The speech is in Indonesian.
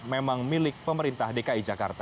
memang milik pemerintah dki jakarta